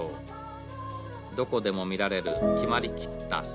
どこでも見られる決まりきった生活。